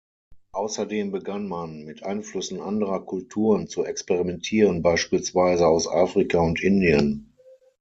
Außerdem begann man, mit Einflüssen anderer Kulturen zu experimentieren, beispielsweise aus Afrika und Indien.